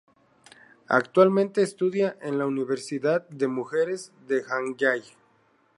Actualmente estudia en la Universidad de Mujeres de Hanyang.